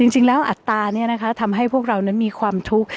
จริงแล้วอัตราทำให้พวกเรานั้นมีความทุกข์